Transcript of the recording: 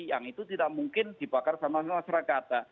yang itu tidak mungkin dibakar sama masyarakat